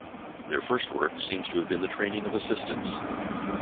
Their first work seems to have been the training of assistants.